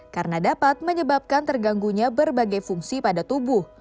karena dapat menyebabkan terganggunya berbagai fungsi pada tubuh